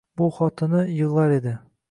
Bu xotini yigʻlar edi.